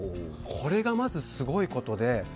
これがまずすごいことで。